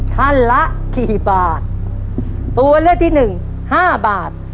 ท่านละกี่บาทตัวเลือกที่หนึ่งห้าบาท